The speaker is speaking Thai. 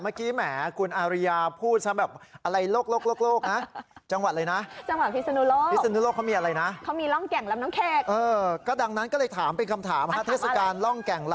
เมื่อกี้แหมคุณอาริยาพูดแบบอะไรโลก